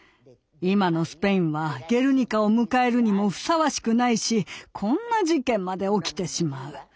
今のスペインは「ゲルニカ」を迎えるにもふさわしくないしこんな事件まで起きてしまう。